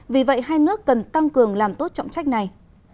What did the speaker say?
vì vậy hai nước cần tăng cường làm tốt trọng trách này